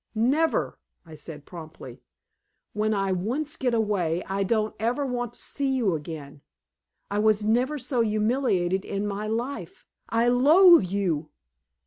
"Never," I said promptly. "When I once get away, I don't want ever to see you again. I was never so humiliated in my life. I loathe you!"